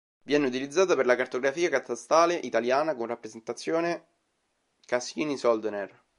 Viene utilizzata per la cartografia catastale italiana con rappresentazione Cassini-Soldner.